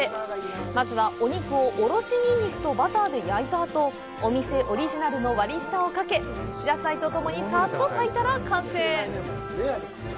まずは、お肉をおろしニンニクとバターで焼いたあと、お店オリジナルの割り下をかけ野菜とともにさっと炊いたら完成。